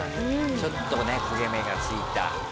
ちょっとね焦げ目がついた。